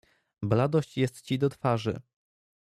"Bladość jest ci do twarzy."